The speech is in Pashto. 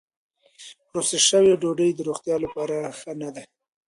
پروسس شوې ډوډۍ د روغتیا لپاره ښه نه ده.